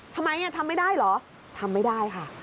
ทำไมทำไม่ได้เหรอทำไม่ได้ค่ะ